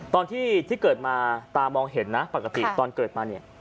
ตอนที่เกิดมาตามองเห็นนะปกติตอนเกิดมาเนี่ย